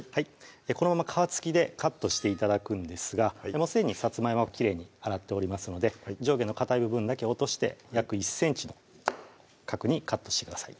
このまま皮付きでカットして頂くんですがすでにさつまいもはきれいに洗っておりますので上下のかたい部分だけ落として約１ｃｍ角にカットしてください